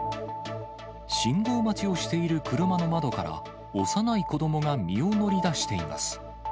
信号待ちをしている車の窓から、幼い子どもが身を乗り出しています。